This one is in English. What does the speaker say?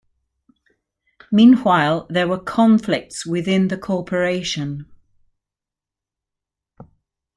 Meanwhile, there were conflicts within the Corporation.